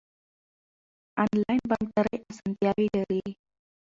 انلاین بانکداري اسانتیاوې لري.